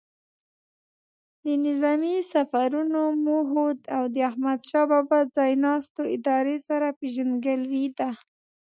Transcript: د نظامي سفرونو موخو او د احمدشاه بابا ځای ناستو ادارې سره پیژندګلوي ده.